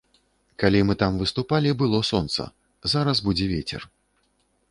Калі мы там выступалі, было сонца, зараз будзе вецер.